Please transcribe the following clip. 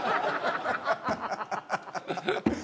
ハハハハ！